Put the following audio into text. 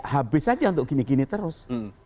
habis aja untuk gini gini terus